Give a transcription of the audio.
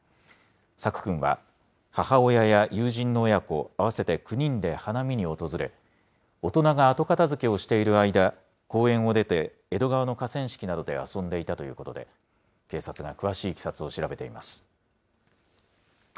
朔くんは、母親や友人の親子合わせて９人で花見に訪れ、大人が後片づけをしている間、公園を出て江戸川の河川敷などで遊んでいたということで、警察が詳しいいきさつを調べています。